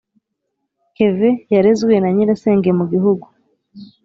kevin yarezwe na nyirasenge mu gihugu.